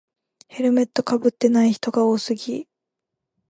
ヘルメットかぶってない人が多すぎ